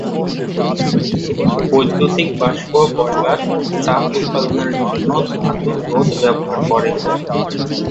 বৈদ্যুতিক বাষ্প বয়লার তাপ উৎপাদনের জন্য ধাতুর রোধ ব্যবহার করে।